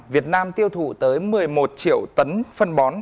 việt nam tiêu thụ tới một mươi một triệu tấn phân bón